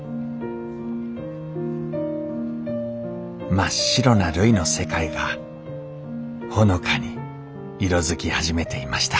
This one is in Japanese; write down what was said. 真っ白なるいの世界がほのかに色づき始めていました。